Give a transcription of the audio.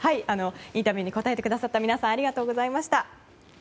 インタビューに答えてくださった皆さんありがとうございました。